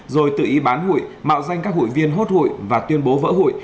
rồi tự ý bán hội mạo danh các hội viên hốt hội và tuyên bố vỡ hội